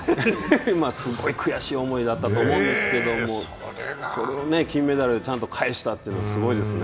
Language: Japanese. すごい悔しい思いだったと思いますが、それを金メダルでちゃんと返したというのはすごいですね。